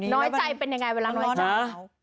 น้อยใจเป็นยังไงเวลาน้อยใจ